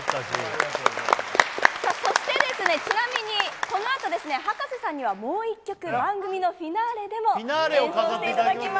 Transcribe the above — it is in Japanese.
ちなみに、このあと、葉加瀬さんにはもう一曲、番組のフィナーレでも演奏していただきます。